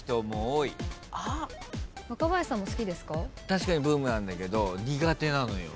確かにブームなんだけど苦手なのよ。